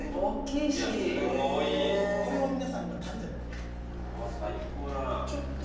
これを皆さんに食べてもらう。